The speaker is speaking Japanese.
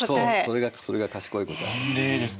それが賢い答えなんです。